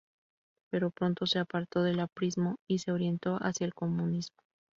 Pero pronto se apartó del aprismo y se orientó hacia el comunismo.